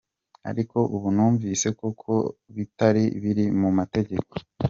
Ariko ubu numvise koko ko bitari biri mu mategeko.